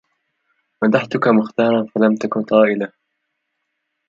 مدحتك مختارا فلم تك طائلا